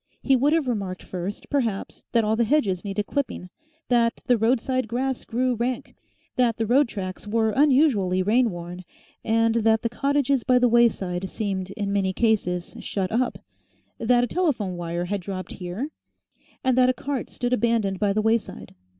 He would have remarked first, perhaps, that all the hedges needed clipping, that the roadside grass grew rank, that the road tracks were unusually rainworn, and that the cottages by the wayside seemed in many cases shut up, that a telephone wire had dropped here, and that a cart stood abandoned by the wayside.